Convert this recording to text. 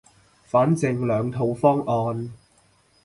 反正兩套方案